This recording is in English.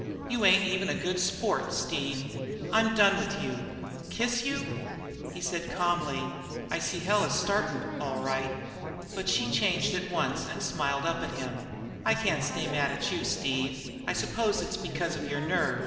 "You ain't even a good sport, Steve. I'm done with you! Kiss you?" He said calmly: "I see the hell is startin', all right." But she changed at once, and smiled up to him. "I can't stay mad at you, Steve. I s'pose it's because of your nerve.